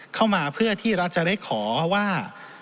เข้ามาเพื่อที่รัฐจะได้ขอว่า